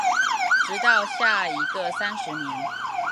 直到下一个三十年